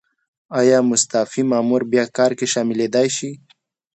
ایا مستعفي مامور بیا کار کې شاملیدای شي؟